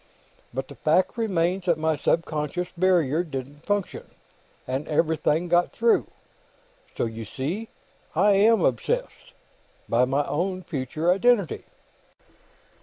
But the fact remains that my subconscious barrier didn't function, and everything got through. So, you see, I am obsessed by my own future identity."